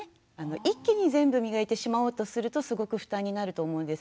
一気に全部磨いてしまおうとするとすごく負担になると思うんですけど。